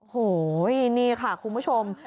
โหนี่คะคุณผู้ชม